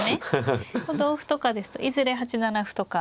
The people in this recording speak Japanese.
同歩とかですといずれ８七歩とか。